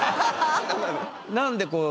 何でこう